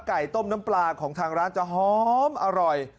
ไก่ต้มน้ำปลาของทางร้านจะหอมอร่อย